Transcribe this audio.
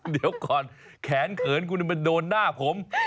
เดี๋ยวก่อนแขนเขินคุณมาโดนหน้าผม